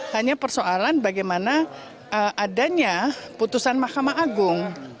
hanya persoalan bagaimana adanya putusan mahkamah agung